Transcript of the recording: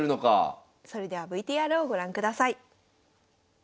それではＶＴＲをご覧ください。